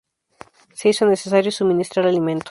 Se hizo necesario suministrar alimentos.